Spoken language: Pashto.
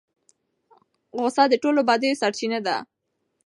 غصه د ټولو بدیو سرچینه ده.